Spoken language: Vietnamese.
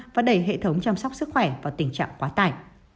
và đẩy hệ thống chăm sóc sức khỏe vào tình trạng quá tải